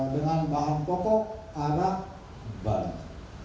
dengan bahan pokok arak balik